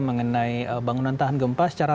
mengenai bangunan tahan gempa secara